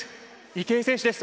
池江選手です。